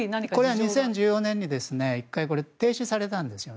２０１４年に１回停止されたんです。